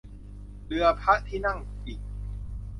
เรือพระที่นั่งกิ่ง